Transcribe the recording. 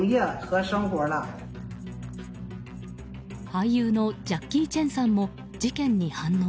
俳優のジャッキー・チェンさんも事件に反応。